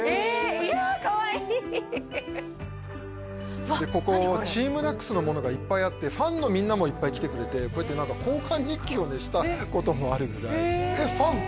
いやあかわいいここＴＥＡＭＮＡＣＳのものがいっぱいあってファンのみんなもいっぱい来てくれてこうやって交換日記をねしたこともあるぐらいファンと？